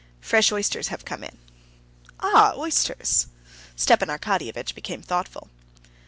Fresh oysters have come in." "Ah! oysters." Stepan Arkadyevitch became thoughtful.